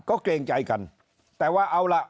ก็เกรงใจกันแต่ว่าเอาล่ะ